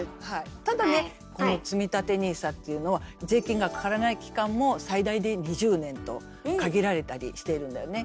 ただねこのつみたてＮＩＳＡっていうのは税金がかからない期間も最大で２０年と限られたりしているんだよね。